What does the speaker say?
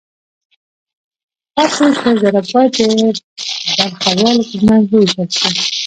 پاتې سل زره باید د برخوالو ترمنځ ووېشل شي